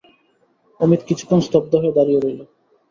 অমিত কিছুক্ষণ স্তব্ধ হয়ে দাঁড়িয়ে রইল।